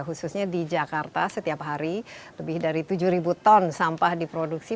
khususnya di jakarta setiap hari lebih dari tujuh ribu ton sampah diproduksi